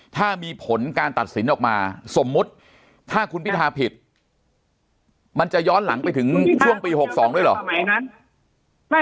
ถ้ามีผลการตัดสินออกมาสมมุติถ้าคุณพิธาผิดมันจะย้อนหลังไปถึงช่วงปี๖๒ด้วยเหรอ